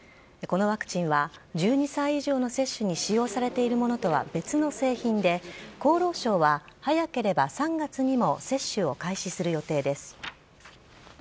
このワクチンは、１２歳以上の接種に使用されているものとは別の製品で、厚労省は早ければ、３月にも接種を開始する予定です。